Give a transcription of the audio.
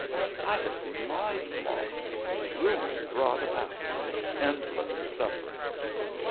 I have seen lives lost, ruin brought about, endless suffering.